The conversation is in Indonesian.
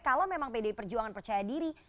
kalau memang pdi perjuangan percaya diri